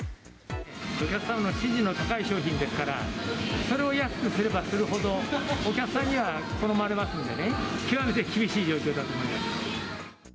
お客さんの支持の高い商品ですから、それを安くすればするほど、お客さんには好まれますんでね、極めて厳しい状況だと思います。